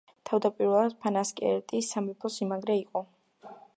თავდაპირველად ფანასკერტი სამეფო სიმაგრე იყო.